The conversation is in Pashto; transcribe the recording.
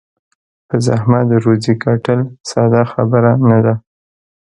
په زحمت روزي ګټل ساده خبره نه ده.